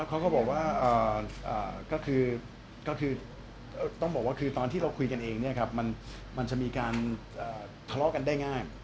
เขาก็บอกว่าตอนที่เราคุยกันเองมันจะมีการทะเลาะกันได้ง่าย